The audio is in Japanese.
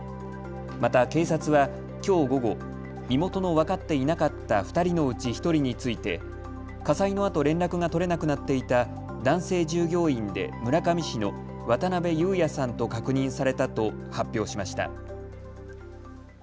また警察は、きょう午後、身元の分かっていなかった２人のうち１人について火災のあと連絡が取れなくなっていた男性従業員で村上市の渡部祐也さんと確認されたと発表しました。